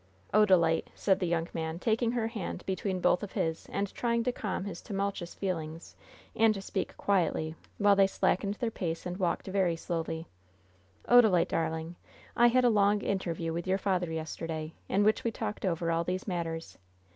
"Odalite!" said the young man, taking her hand between both of his and trying to calm his tumultuous feelings, and to speak quietly, while they slackened their pace and walked very slowly; "Odalite, darling, I had a long interview with your father yesterday, in which we talked over all these matters.